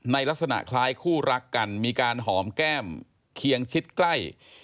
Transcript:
ลักษณะคล้ายคู่รักกันมีการหอมแก้มเคียงชิดใกล้